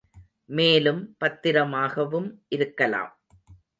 மேலும் பத்திரமாகவும் இருக்கலாம்.